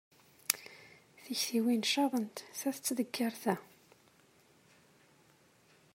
Tiktiwin caḍent, ta tettdeggir ta.